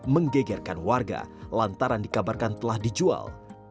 menggegerkan warga lantaran dikabarkan telah dijual